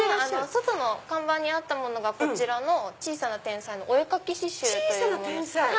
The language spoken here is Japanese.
外の看板にあったものがこちらの「小さな天才のお絵描き刺繍」というものです。